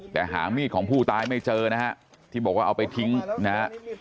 แต่หามีดของผู้ตายไม่เจอนะฮะที่บอกว่าเอาไปทิ้งนะฮะ